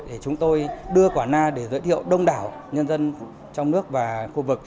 để chúng tôi đưa quả na để giới thiệu đông đảo nhân dân trong nước và khu vực